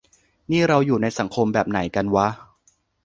นี่เราอยู่ในสังคมแบบไหนกันวะ